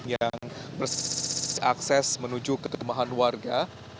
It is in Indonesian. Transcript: yang persis akses menuju ke temahan warga